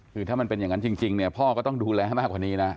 คือถ้ามันเป็นอย่างนั้นจริงเนี่ยพ่อก็ต้องดูแลให้มากกว่านี้นะ